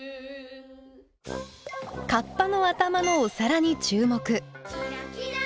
カッパの頭のお皿に注目！